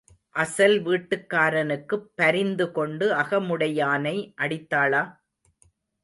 அசல் வீட்டுக்காரனுக்குப் பரிந்துகொண்டு அகமுடையானை அடித்தாளா?